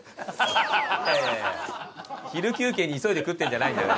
昼休憩に急いで食ってるんじゃないんだよ。